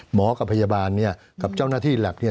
หมอกับพยาบาลเนี่ยกับเจ้าหน้าที่หลักเนี่ย